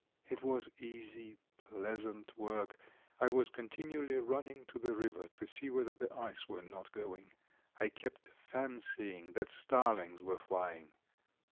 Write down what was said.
It was easy, pleasant work. I was continually running to the river to see whether the ice were not going; I kept fancying that starlings were flying.